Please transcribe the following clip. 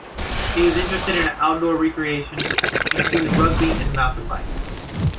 He is interested in outdoor recreation, including rugby and mountain biking.